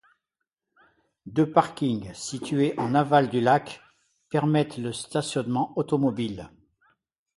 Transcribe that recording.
Deux parkings situés en aval du lac permettent le stationnement automobile.